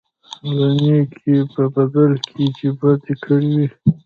لکه د نېکۍ په بدل کې چې بدي کړې وي.